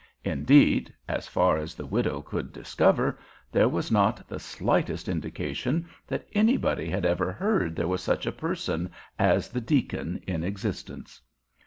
Indeed, as far as the widow could discover, there was not the slightest indication that anybody had ever heard there was such a person as the deacon in existence.